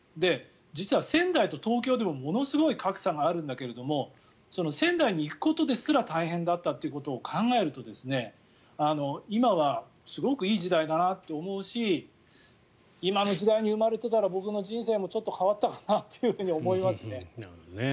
実は仙台と東京でもものすごい格差があるんだけど仙台に行くことですら大変だったということを考えると今はすごくいい時代だなと思うし今の時代に生まれていたら僕の人生もちょっと変わったかなと思いますね。